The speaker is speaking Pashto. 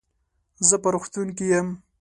زه په روغتون کې يم.